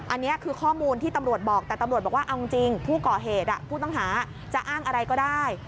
อันนี้คือข้อมูลที่ตำรวจบอกแต่ตำรวจบอกว่าเอาจริงผู้ก่อเหตุผู้ต้องหาจะอ้างอะไรก็ได้